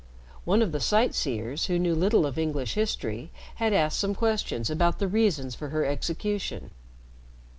One of the sightseers who knew little of English history had asked some questions about the reasons for her execution.